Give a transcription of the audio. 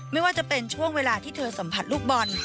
ไม่ว่าจะเป็นช่วงเวลาที่เธอสัมผัสลูกบอล